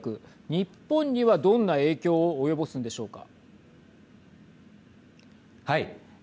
日本には、どんな影響を及ぼすんでしょうか。